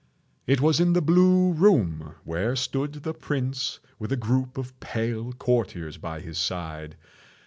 It was in the blue room where stood the prince, with a group of pale courtiers by his side.